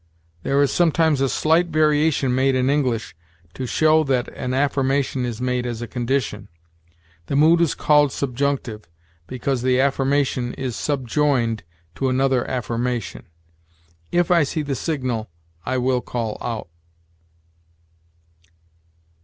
There is sometimes a slight variation made in English, to show that an affirmation is made as a condition. The mood is called 'subjunctive,' because the affirmation is subjoined to another affirmation: 'If I see the signal, I will call out.'